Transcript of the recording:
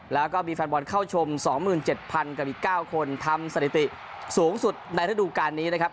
แล้วก็มีไฟน์บอลเข้าชมสองหมื่นเจ็ดพันกับอีกเก้าคนทำสถิติสูงสุดในทะลูกานนี้นะครับ